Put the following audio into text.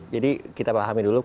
jadi kita pahami dulu konsepnya